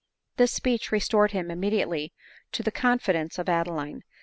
This speech restored him immediately to the confi dence of Adeline.